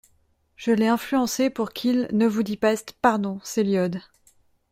Je l’ai influencé pour qu’il –nevousditpast– pardon, c’est l’iode…